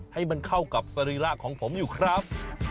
ให้มันเข้ากับสรีระของผมอยู่ครับ